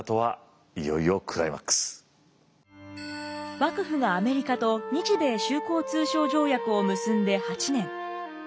幕府がアメリカと日米修好通商条約を結んで８年。